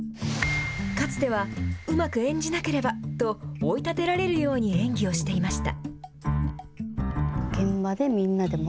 かつては、うまく演じなければと追い立てられるように演技をしていました。